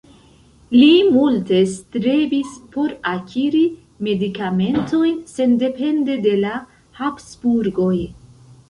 Li multe strebis por akiri medikamentojn sendepende de la Habsburgoj.